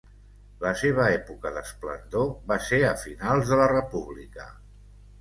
La seva època d'esplendor va ser a finals de la república.